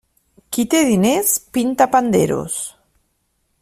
Qui té diners pinta panderos.